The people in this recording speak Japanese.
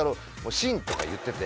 慎とか言ってて。